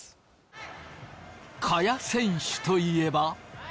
萱選手といえば。